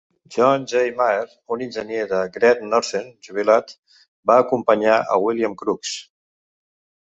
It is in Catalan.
John J. Maher, un enginyer de Great Northern jubilat, va acompanyar a "William Crooks".